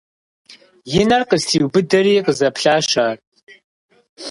И нэр къыстриубыдэри къызэплъащ ар.